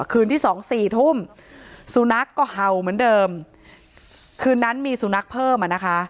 คืนที่สองสี่ทุ่มสุนัขก็เห่าเหมือนเดิมคืนนั้นมีสุนัขเพิ่มอ่ะนะคะ